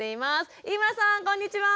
こんにちは！